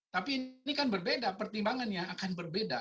tapi ini kan berbeda pertimbangannya akan berbeda